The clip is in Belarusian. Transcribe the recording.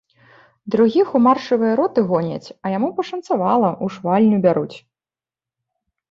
Другіх у маршавыя роты гоняць, а яму пашанцавала, у швальню бяруць.